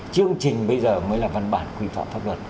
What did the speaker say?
chương trình bây giờ mới là văn bản quy phạm pháp luật